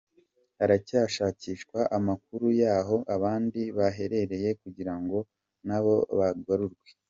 Haracyashakishwa amakuru yahoo abandi baherereye kugira ngo na bo bagarurwe.